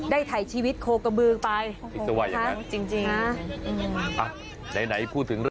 ได้ถ่ายชีวิตโคกะเบือไปสบายอย่างงั้นจริงจริงอ่ะไหนไหนพูดถึง